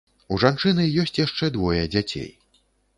У жанчыны ёсць яшчэ двое дзяцей.